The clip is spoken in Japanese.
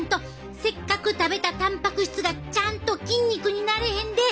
せっかく食べたたんぱく質がちゃんと筋肉になれへんで！